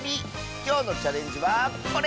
きょうのチャレンジはこれ！